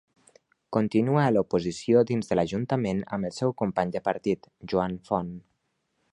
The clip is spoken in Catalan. Continua a l'oposició dins l'ajuntament amb el seu company de partit, Joan Font.